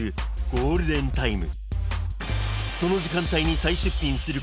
ゴールデンタイム